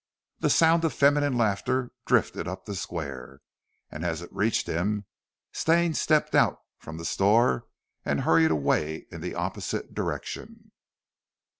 The sound of feminine laughter drifted up the Square, and as it reached him Stane stepped out from the store and hurried away in the opposite direction.